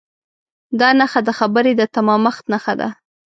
دا نښه د خبرې د تمامښت نښه ده.